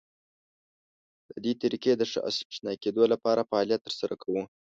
د دې طریقې د ښه اشنا کېدو لپاره فعالیت تر سره کوو.